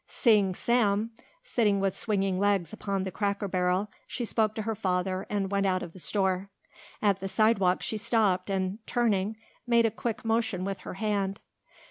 Seeing Sam sitting with swinging legs upon the cracker barrel she spoke to her father and went out of the store. At the sidewalk she stopped and, turning, made a quick motion with her hand.